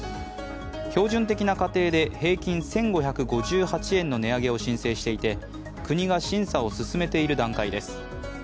標準的な家庭で平均１５５８円の値上げを申請していて国が審査を進めている段階です。